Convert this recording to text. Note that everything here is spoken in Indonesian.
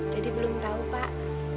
jadi belum tahu pak